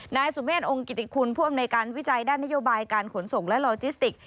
นายสุเมฆองค์กิติคุณผู้อำนวยการวิจัยด้านนโยบายการขนส่งและลอจิสติก